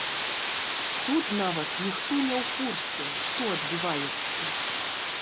Тут нават ніхто не ў курсе, што адбываецца.